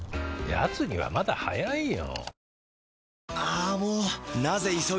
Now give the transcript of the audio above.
やつにはまだ早いよ。